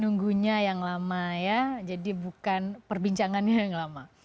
nunggunya yang lama ya jadi bukan perbincangannya yang lama